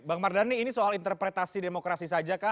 bang mardhani ini soal interpretasi demokrasi saja kah